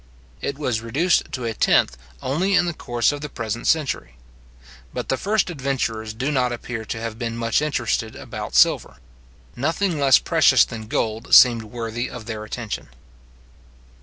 It was reduced to a tenth only in the course of the present century. But the first adventurers do not appear to have been much interested about silver. Nothing less precious than gold seemed worthy of their attention.